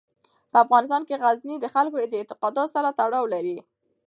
په افغانستان کې غزني د خلکو د اعتقاداتو سره تړاو لري.